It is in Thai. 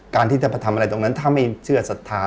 การที่จะไปทำอะไรตรงนั้นถ้าไม่เชื่อศรัทธา